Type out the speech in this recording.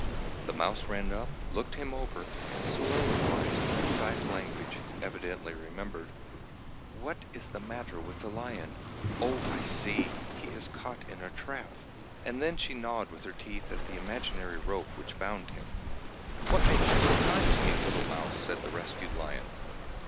The mouse ran up, looked him over, and soliloquised in precise language, evidently remembered, "What is the matter with the lion? Oh, I see; he is caught in a trap." And then she gnawed with her teeth at the imaginary rope which bound him. "What makes you so kind to me, little Mouse?" said the rescued lion.